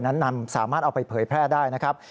นั้นสามารถเอาไปเผยแพร่ได้นะครับ